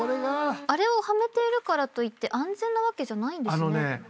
あれをはめているからといって安全なわけじゃないんですね。